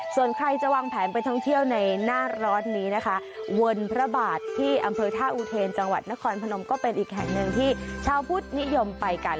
ส่วนใครจะวางแผนไปท่องเที่ยวในหน้าร้อนนี้นะคะวนพระบาทที่อำเภอท่าอุเทนจังหวัดนครพนมก็เป็นอีกแห่งหนึ่งที่ชาวพุทธนิยมไปกัน